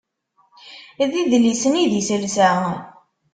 D idlisen i d iselsa.